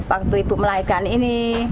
waktu ibu melahirkan ini